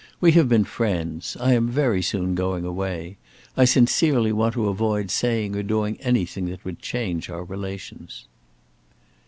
We have been friends. I am very soon going away. I sincerely want to avoid saying or doing anything that would change our relations."